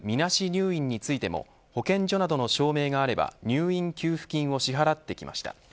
入院についても保健所などの証明があれば入院給付金を払ってきました。